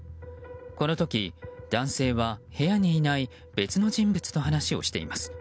この時、男性は部屋にいない別の人物と話をしています。